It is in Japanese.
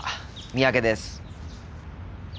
三宅です。